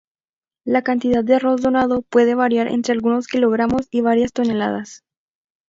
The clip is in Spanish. La cantidad de arroz donado puede variar entre algunos kilogramos y varias toneladas.